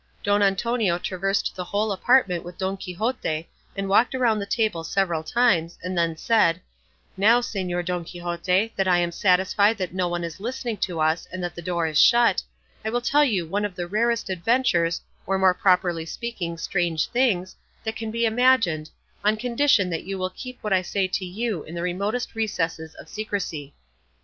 Don Antonio traversed the whole apartment with Don Quixote and walked round the table several times, and then said, "Now, Señor Don Quixote, that I am satisfied that no one is listening to us, and that the door is shut, I will tell you of one of the rarest adventures, or more properly speaking strange things, that can be imagined, on condition that you will keep what I say to you in the remotest recesses of secrecy."